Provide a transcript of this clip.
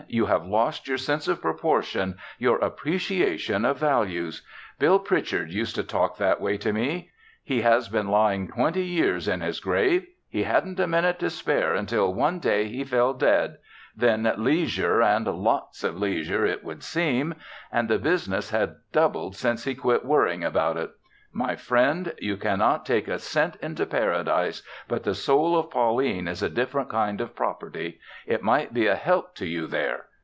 You have lost your sense of proportion, your appreciation of values. Bill Pritchard used to talk that way to me. He has been lying twenty years in his grave. He hadn't a minute to spare until one day he fell dead then leisure and lots of leisure it would seem and the business has doubled since he quit worrying about it. My friend, you can not take a cent into Paradise, but the soul of Pauline is a different kind of property. It might be a help to you there.